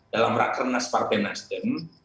dalam raker nasparte nasdem